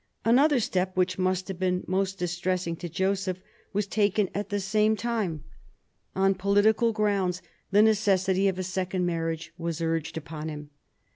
Another step, which must have been most distressing to Joseph, was taken at the same time; on political \\ 196 MARIA THERESA chap. i\x grounds, the necessity of a second marriage was urged] upon him.